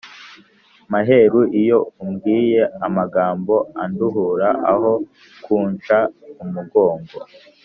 Maheru iyo umbwiye Amagambo anduhura Aho kunsha umugongo!